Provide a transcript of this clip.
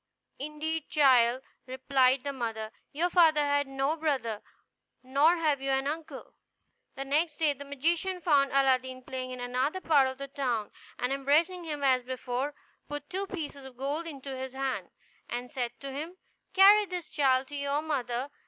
"Indeed, child," replied the mother, "your father had no brother, nor have you an uncle." The next day the magician found Aladdin playing in another part of the town, and embracing him as before, put two pieces of gold into his hand, and said to him, "Carry this, child, to your mother.